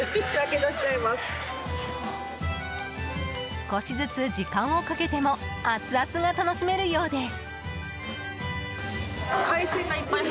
少しずつ時間をかけてもアツアツが楽しめるようです。